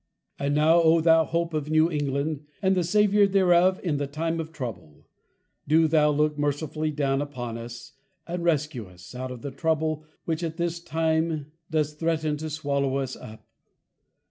And Now, _O Thou Hope of +New England+, and the Saviour thereof in the Time of Trouble; Do thou look mercifully down upon us, & Rescue us, out of the Trouble which at this time do's threaten to swallow us up.